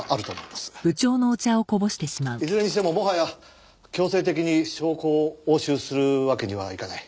いずれにしてももはや強制的に証拠を押収するわけにはいかない。